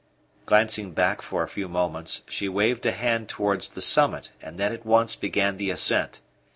Glancing back for a few moments, she waved a hand towards the summit, and then at once began the ascent.